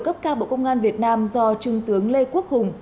tất cả bộ công an việt nam do trung tướng lê quốc hùng